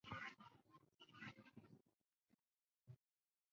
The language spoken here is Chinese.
他现在效力于英超球队哈德斯菲尔德。